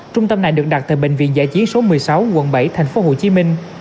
trung tâm này được đặt tại bệnh viện giải chiến số một mươi sáu quận bảy thành phố hồ chí minh